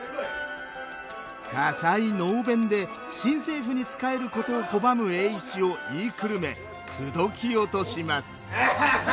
で新政府に仕えることを拒む栄一を言いくるめ口説き落とします。